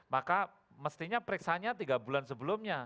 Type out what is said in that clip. maka mestinya periksanya tiga bulan sebelumnya